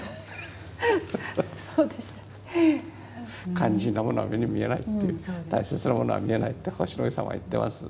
肝心なものは目に見えないっていう大切なものは見えないって星の王子様は言ってます。